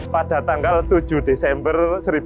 pada tanggal tujuh desember seribu sembilan ratus empat puluh